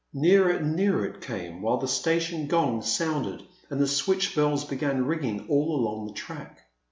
Nearer and nearer it came while the station gongs sounded and the switch bells began ringing all along the track.